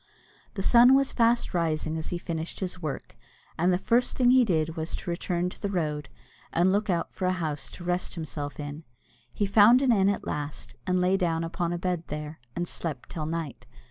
The sun was fast rising as he finished his work, and the first thing he did was to return to the road, and look out for a house to rest himself in. He found an inn at last, and lay down upon a bed there, and slept till night.